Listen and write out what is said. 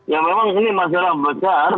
ya memang ini masalah besar